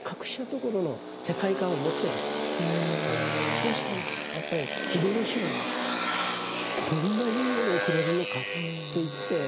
そうするとねやっぱり秀吉はねこんないいものをくれるのかっていって。